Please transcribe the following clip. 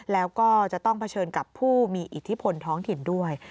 แล้วก็จะต้องเผชิญกับผู้มีอิทธิพลท้องถิ่นด้วย